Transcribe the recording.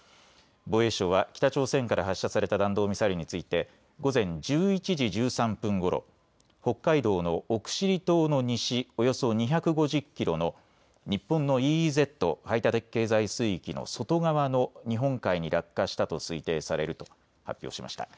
防衛省は北朝鮮から発射された弾道ミサイルについて午前１１時１３分ごろ、北海道の奥尻島の西およそ２５０キロの日本のＥＥＺ・排他的経済水域の外側の日本海に落下したと推定されると発表しました。